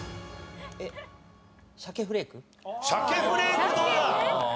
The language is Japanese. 鮭フレークどうだ？